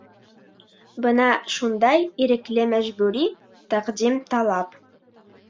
Бына шундай ирекле-мәжбүри тәҡдим-талап.